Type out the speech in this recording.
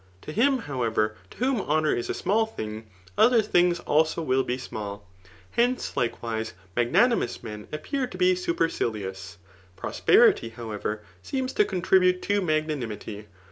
To him, however, to whom honour is a small thing, oth^ things abo will be small. . Hence^ likewbo^ magnanimous men appear to be superctiious* Pvpspenty, however, seems to contribute to magnanimity.